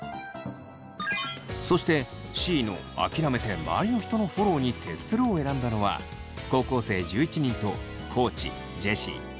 そしてＣの「あきらめて周りの人のフォローに徹する」を選んだのは高校生１１人と地ジェシー大我北斗の４人。